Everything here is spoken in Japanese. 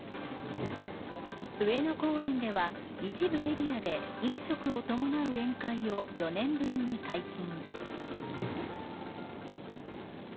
上野公園では一部エリアで飲食を伴う宴会を４年ぶりに解禁。